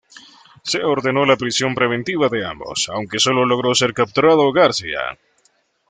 Se ordenó la prisión preventiva de ambos, aunque solo logró ser capturado García.